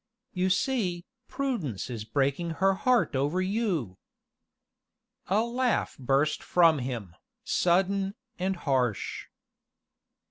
"You see, Prudence is breaking her heart over you." A laugh burst from him, sudden, and harsh.